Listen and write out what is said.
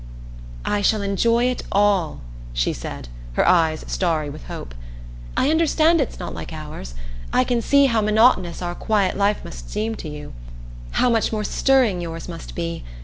"I shall enjoy it all," she said, her eyes starry with hope. "I understand it's not like ours. I can see how monotonous our quiet life must seem to you, how much more stirring yours must be.